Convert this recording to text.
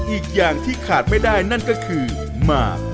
อีกอย่างที่ขาดไม่ได้นั่นก็คือหมาก